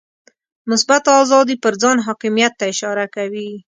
مثبته آزادي پر ځان حاکمیت ته اشاره کوي.